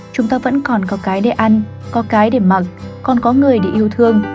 chúng ta vẫn còn có cái để ăn có cái để mặc còn có người để yêu thương